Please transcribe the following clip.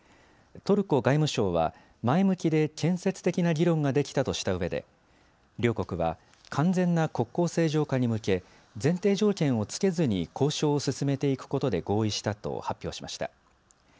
トルコ外務省は前向きで建設的な議論ができたとしたうえで両国は完全な国交正常化に向け前提条件をつけずに交渉を進めていくことで合意したと発表しました。